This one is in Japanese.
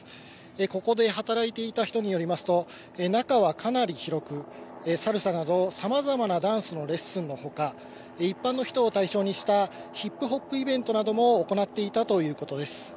ここで働いていた人によりますと中はかなり広く、サルサなど様々なダンスのレッスンのほか、一般の人を対象にしたヒップホップイベントなども行っていたということです。